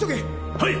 はい！